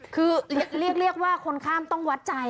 คือเรียกว่าคนข้ามต้องวัดใจ